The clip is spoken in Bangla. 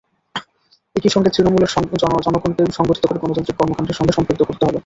একই সঙ্গে তৃণমূলের জনগণকে সংগঠিত করে গণতান্ত্রিক কর্মকাণ্ডের সঙ্গে সম্পৃক্ত করতে হবে।